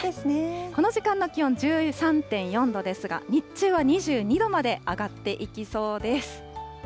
この時間の気温１３．４度ですが、日中は２２度まで上がっていきそうです。